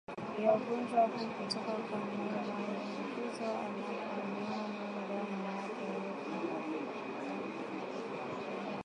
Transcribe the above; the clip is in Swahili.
vya ugonjwa huu kutoka kwa mnyama aliyeambukizwa anaponyonywa damu yake Halafu kupe hao huambukiza